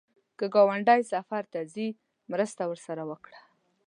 که ګاونډی سفر ته ځي، مرسته ورسره وکړه